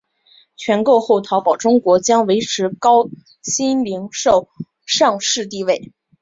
全购后淘宝中国将维持高鑫零售上市地位。